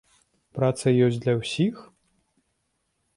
Праца ёсць для ўсіх?